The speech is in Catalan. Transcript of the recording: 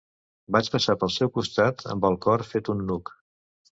Vaig passar pel seu costat amb el cor fet un nuc.